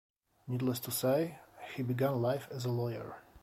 Needless to say, he began life as a lawyer.